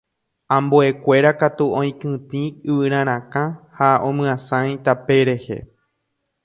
ambuekuéra katu oikytĩ yvyrarakã ha omyasãi tape rehe